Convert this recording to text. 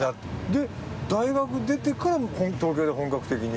で大学出てから東京で本格的に？